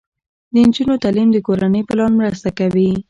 د نجونو تعلیم د کورنۍ پلان مرسته کوي.